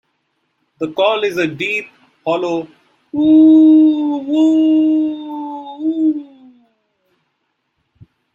The call is a deep hollow "ooo-wooooo-ou".